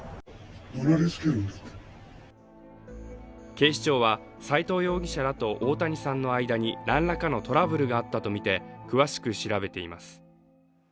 警視庁は斉藤容疑者らと大谷さんの間に何らかのトラブルがあったとみて詳しく調べています。